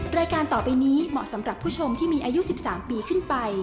รายการต่อไปนี้เหมาะสำหรับผู้ชมที่มีอายุ๑๓ปีขึ้นไป